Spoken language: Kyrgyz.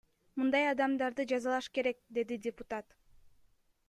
Мындай адамдарды жазалаш керек, — деди депутат.